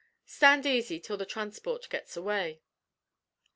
Stand easy till the transport gets away."